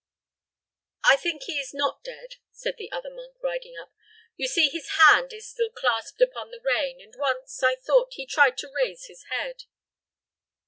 "I think he is not dead," said the other monk, riding up. "You see his hand is still clasped upon the rein, and once, I thought, he tried to raise his head."